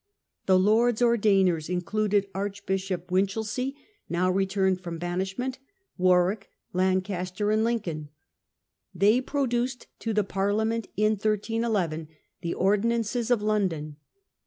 The " Lords Ordainers " included Archbishop Winchelsey, now returned from banishment, Warwick, Lancaster, and Lin TheOrdin coln. They produced to the Parliament in ancey of 131 1 the Ordinances of London.